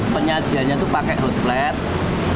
penyajiannya tuh pake hot plate